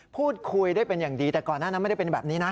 พูดคุยได้เป็นอย่างดีแต่ก่อนหน้านั้นไม่ได้เป็นแบบนี้นะ